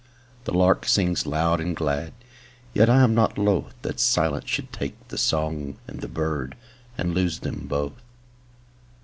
The lark sings loud and glad, Yet I am not lothThat silence should take the song and the birdAnd lose them both.